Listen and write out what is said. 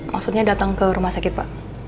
maksudnya datang ke rumah sakit pak